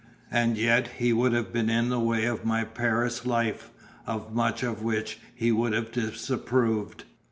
And yet he would have been in the way of my Paris life, of much of which he would have disapproved.